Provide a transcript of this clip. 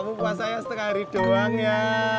aku puasanya setengah hari doang ya